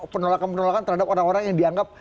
penolakan penolakan terhadap orang orang yang dianggap